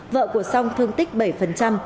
ba mươi tám vợ của song thương tích bảy